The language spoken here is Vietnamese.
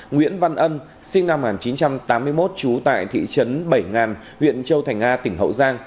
nguyễn văn ân sinh năm một nghìn chín trăm tám mươi một trú tại thị trấn bảy ngàn huyện châu thành a tỉnh hậu giang